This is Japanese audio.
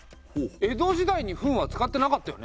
江戸時代に「分」は使ってなかったよね？